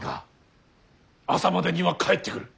朝までには帰ってくる。